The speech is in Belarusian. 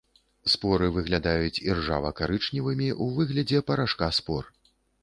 Споры выглядаюць іржава-карычневымі ў выглядзе парашка спор.